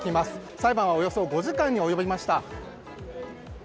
裁判はおよそ５時間に及びました。